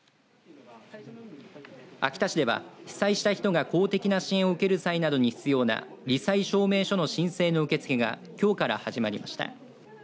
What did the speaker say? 秋田市では被災した人が公的な支援を受ける際などに必要なり災証明書の申請の受け付けがきょうから始まりました。